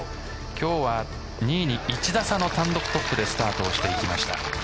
今日は２位に１打差の単独トップでスタートをしていきました。